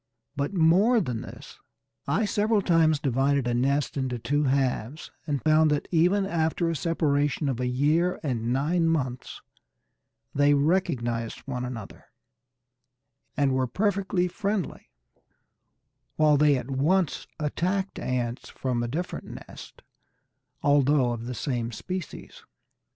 But more than this, I several times divided a nest into two halves, and found that even after a separation of a year and nine months they recognized one another, and were perfectly friendly; while they at once attacked ants from a different nest, although of the same species.